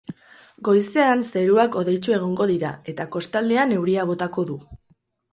Goizean zeruak hodeitsu egongo dira eta kostaldean euria botako du.